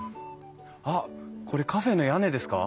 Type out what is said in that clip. あっこれカフェの屋根ですか？